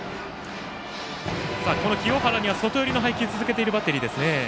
清原には外の配球を続けているバッテリーです。